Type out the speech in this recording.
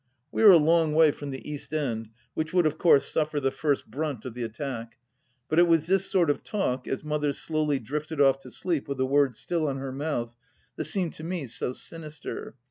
... We are a long way from the East End, which would of course suffer the first brunt of the attack, but it was this sort of talk, as Mother slowly drifted off to sleep with the words still on her mouth, that seemed to me so sinister.